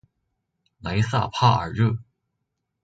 莱塞帕尔热。